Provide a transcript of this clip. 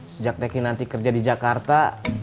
sejak teki nanti kerja di jakarta